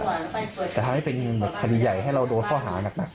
จะทำให้เป็นคดีใหญ่ให้เราโดนเข้าหาหนักครับ